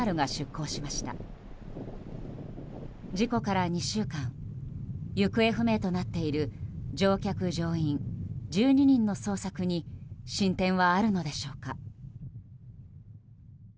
行方不明となっている乗客・乗員１２人の捜索に進展はあるのでしょうか。